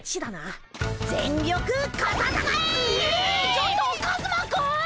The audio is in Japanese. ちょっとカズマくん！